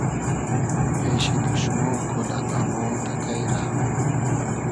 پېشی دوشمۉ کۉلۂ دامۉ تئکݷ رۂ